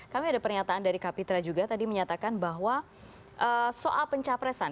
kami ada pernyataan dari kapitra juga tadi menyatakan bahwa soal pencapresan